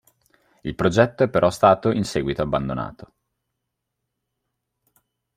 Il progetto è però stato in seguito abbandonato.